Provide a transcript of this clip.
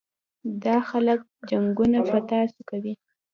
دا خلک جنګونه په تاسو کوي.